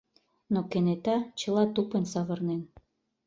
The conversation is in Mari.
Но кенета чыла тупынь савырнен...